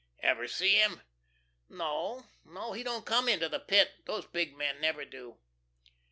"Ever see him?" "No, no, he don't come into the Pit these big men never do."